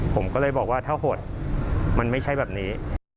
ผมก็เลยบอกว่าถ้าโหดมันไม่ใช่แบบนี้